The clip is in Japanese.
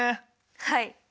はい。